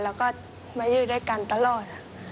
แล้วก็มาอยู่ด้วยกันตลอด